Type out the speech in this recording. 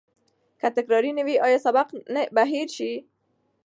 که تکرار نه وي، آیا سبق به هیر نه سی؟